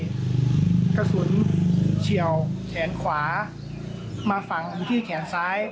กระสุนเฉียวแขนขวามาฝังอยู่ที่แขนซ้าย